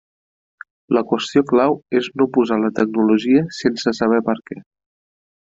La qüestió clau és no posar la tecnologia sense saber per què.